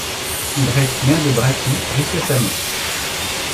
Il reste maire de Braquis jusqu'à sa mort.